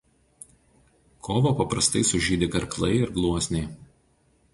Kovą paprastai sužydi karklai ir gluosniai.